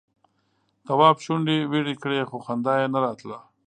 تواب شونډې ويړې کړې خو خندا یې نه راتله.